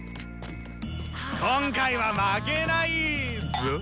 今回は負けないぞ。